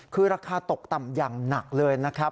คือราคาตกต่ำอย่างหนักเลยนะครับ